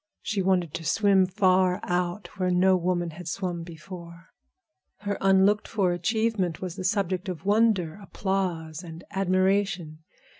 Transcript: She wanted to swim far out, where no woman had swum before. Her unlooked for achievement was the subject of wonder, applause, and admiration.